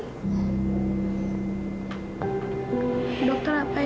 tava yang luar biasa tante